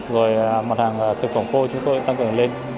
rồi mặt hàng thực phẩm khô chúng tôi tăng cường lên